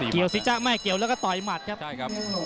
เกี่ยวสิจ๊ะไม่เกี่ยวแล้วก็ต่อยหมัดครับ